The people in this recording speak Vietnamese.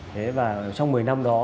thế và trong một mươi năm đó